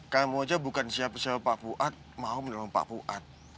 kamu aja bukan siapa siapa pak fuad mau mendolong pak fuad